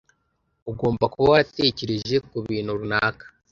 Ugomba kuba waratekereje kubintu runaka.